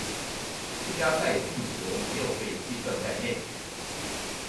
附加赛进球没有被计算在内。